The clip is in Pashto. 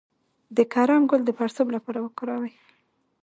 د کرم ګل د پړسوب لپاره وکاروئ